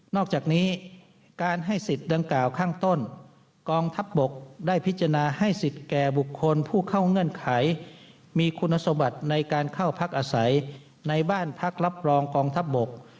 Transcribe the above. อกจากนี้การให้สิทธิ์ดังกล่าวข้างต้นกองทัพบกได้พิจารณาให้สิทธิ์แก่บุคคลผู้เข้าเงื่อนไขมีคุณสมบัติในการเข้าพักอาศัยในบ้านพักรับรองกองทัพบก